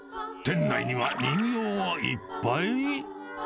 店内には人形がいっぱい？